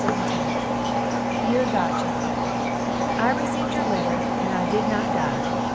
Deer godchild, I received your letter and I did not dye.